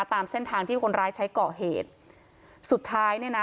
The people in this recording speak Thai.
ตามเส้นทางที่คนร้ายใช้ก่อเหตุสุดท้ายเนี่ยนะ